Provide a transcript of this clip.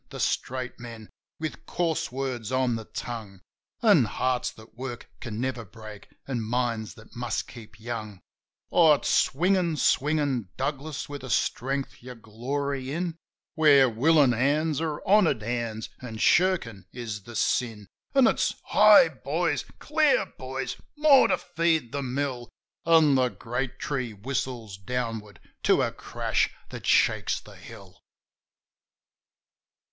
The straight men. With coarse words on the tongue, An' hearts that work can never break an' minds that must keep young. 14 JIM OF THE HILLS Oh, it's swingin', swingin' Douglas with a strength you glory in, Where willin' hands are honoured hands, an' shirkin' is the sin — An' it's : Hi, boys ! Clear, boys ! More to feed the mill ! An' the great tree whistles downward to a crash that shakes the hill.